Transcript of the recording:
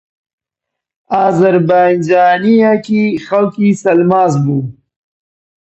ئازەربایجانییەکی خەڵکی سەلماس بوو